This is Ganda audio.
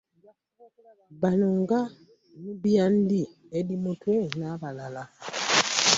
Bano nga Nubial-Li, Eddy Mutwe n'abalala?